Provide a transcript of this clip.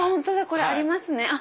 これありますね。